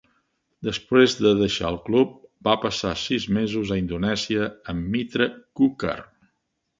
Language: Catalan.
Després de deixar el club, va passar sis mesos a Indonèsia amb Mitra Kukar.